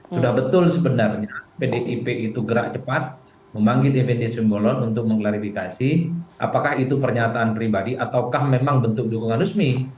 sudah betul sebenarnya pdip itu gerak cepat memanggil fnd simbolon untuk mengklarifikasi apakah itu pernyataan pribadi ataukah memang bentuk dukungan resmi